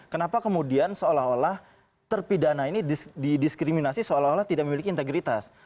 kenapa kemudian seolah olah terpidana ini didiskriminasi seolah olah tidak memiliki integritas